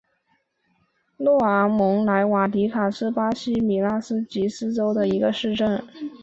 若昂蒙莱瓦迪是巴西米纳斯吉拉斯州的一个市镇。